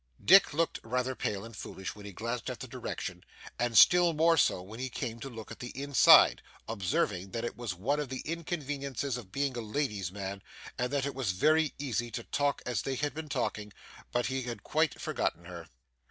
Dick looked rather pale and foolish when he glanced at the direction, and still more so when he came to look at the inside, observing that it was one of the inconveniences of being a lady's man, and that it was very easy to talk as they had been talking, but he had quite forgotten her.